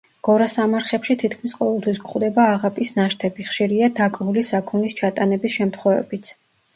გორასამარხებში თითქმის ყოველთვის გვხვდება აღაპის ნაშთები; ხშირია დაკლული საქონლის ჩატანების შემთხვევებიც.